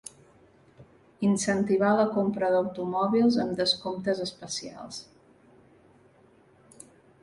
Incentivar la compra d'automòbils amb descomptes especials.